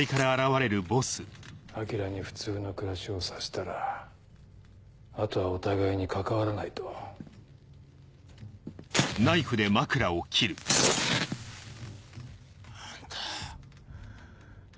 アキラに普通の暮らしをさせたらあとはお互いに関わらないと。あんた。